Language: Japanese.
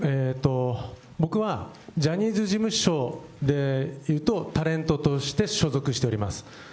僕は、ジャニーズ事務所でいうと、タレントとして所属しております。